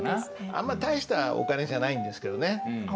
あんま大したお金じゃないんですけどね。